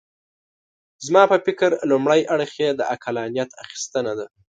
زما په فکر لومړی اړخ یې د عقلانیت اخیستنه ده.